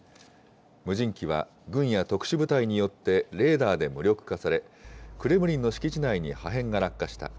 無人機は軍や特殊部隊によってレーダーで無力化され、クレムリンの敷地内に破片が落下した。